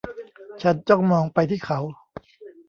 ฉันจ้องมองไปที่เขา